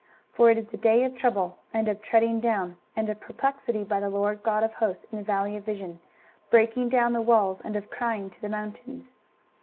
23:022:005 For it is a day of trouble, and of treading down, and of perplexity by the Lord GOD of hosts in the valley of vision, breaking down the walls, and of crying to the mountains.